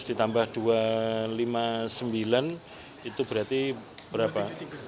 empat belas ditambah dua ratus lima puluh sembilan itu berarti berapa